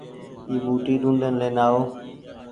اي ٻوٽي ڊونڊين لين آئو